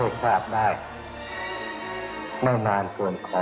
แต่ก็จะเป็นความสามารถ